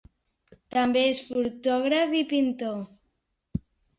També és fotògraf i pintor.